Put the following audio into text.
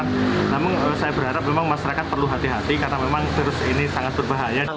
namun saya berharap memang masyarakat perlu hati hati karena memang virus ini sangat berbahaya